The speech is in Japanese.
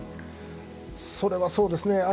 それはそうですね